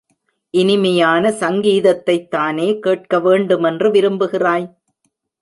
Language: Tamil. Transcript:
இனிமையான சங்கீதத்தைத்தானே கேட்க வேண்டுமென்று விரும்புகிறாய்?